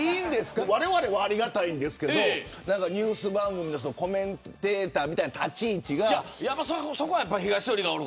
われわれはありがたいですけどニュース番組のコメンテーターみたいな立ち位置いいんですか。